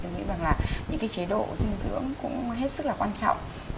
cho cơ thể thì tôi nghĩ là những cái chế độ sinh dưỡng cũng hết sức là quan trọng